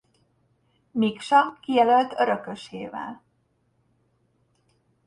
Miksa kijelölt örökösével.